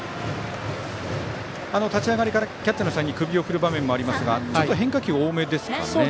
立ち上がりからキャッチャーのサインに首を振る場面もありますが変化球が多めですかね。